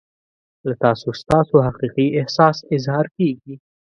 له تاسو ستاسو حقیقي احساس اظهار کیږي.